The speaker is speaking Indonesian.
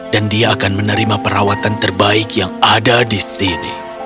dan dia akan menerima perawatan terbaik yang ada di sini